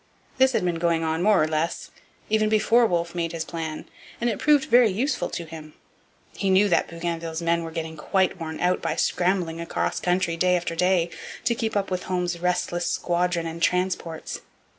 This had been going on, more or less, even before Wolfe had made his plan, and it proved very useful to him. He knew that Bougainville's men were getting quite worn out by scrambling across country, day after day, to keep up with Holmes's restless squadron and transports.